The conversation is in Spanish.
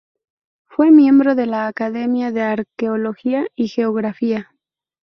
Fue miembro de la Academia de Arqueología y Geografía.